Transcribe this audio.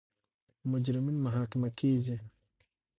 مجرمین محاکمه کیږي.